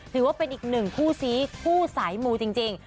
ถือว่าเป็นอีกหนึ่งคู่ซีคู่สายมูจริง